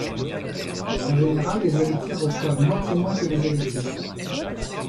En général, les héritières reçoivent moitié moins que les héritiers.